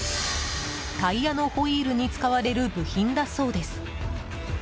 タイヤのホイールに使われる部品だそうです。